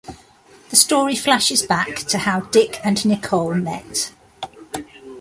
The story flashes back to how Dick and Nicole met.